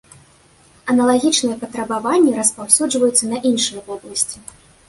Аналагічныя патрабаванні распаўсюджваюцца на іншыя вобласці.